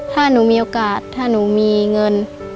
ถ้าหนูมีโอกาสถ้าหนูมีเงิน